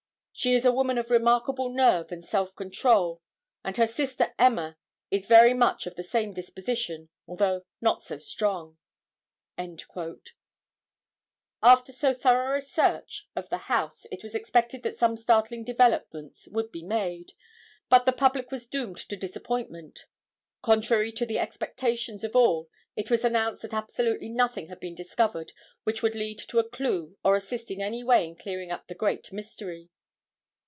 She is a woman of remarkable nerve and self control and her sister Emma is very much of the same disposition, although not so strong." After so thorough a search of the house it was expected that some startling developments would be made, but the public was doomed to disappointment. Contrary to the expectations of all it was announced that absolutely nothing had been discovered which would lead to a clue or assist in any way in clearing up the great mystery.